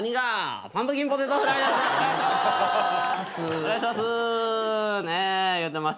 お願いします。